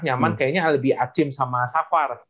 nyaman kayaknya lebih acim sama safar